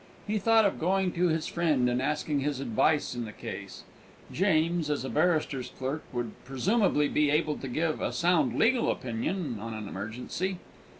He thought of going to his friend and asking his advice on his case. James, as a barrister's clerk, would presumably be able to give a sound legal opinion on an emergency.